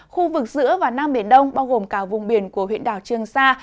khu vực giữa và nam biển đông bao gồm cả vùng biển của huyện đảo trương sa